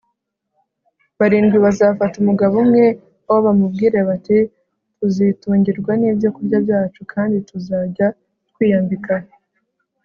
barindwi bazafata umugabo umwe o bamubwire bati tuzitungirwa n ibyokurya byacu kandi tuzajya twiyambika